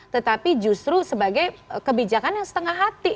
tetapi justru sebagai kebijakan yang setengah hati